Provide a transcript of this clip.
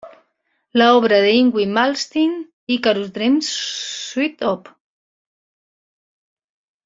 La obra de Yngwie Malmsteen "Icarus Dream Suite Op.